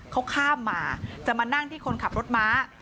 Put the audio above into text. เขาข้ามมาจะมานั่งที่คนขับรถม้า